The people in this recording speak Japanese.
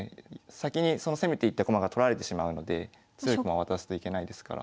先にその攻めていった駒が取られてしまうので強い駒渡すといけないですから。